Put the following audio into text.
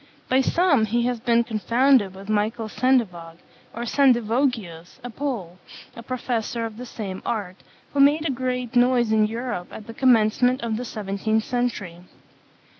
By some he has been confounded with Michael Sendivog, or Sendivogius, a Pole, a professor of the same art, who made a great noise in Europe at the commencement of the seventeenth century.